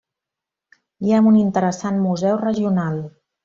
Hi ha un interessant Museu regional.